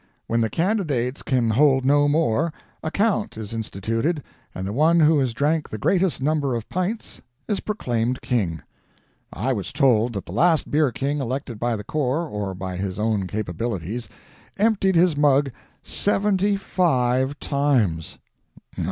When the candidates can hold no more, a count is instituted and the one who has drank the greatest number of pints is proclaimed king. I was told that the last beer king elected by the corps or by his own capabilities emptied his mug seventy five times.